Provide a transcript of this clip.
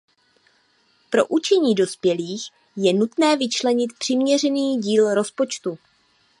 Pro učení dospělých je nutné vyčlenit přiměřený díl rozpočtu.